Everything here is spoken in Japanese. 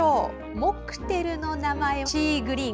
モクテルの名前はシー・グリーン。